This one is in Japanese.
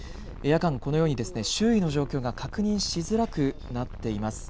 夜間このように周囲の状況が確認しづらくなっています。